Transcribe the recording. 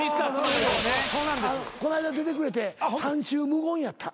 こないだ出てくれて３週無言やった。